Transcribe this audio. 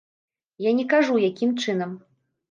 Я не кажу, якім чынам.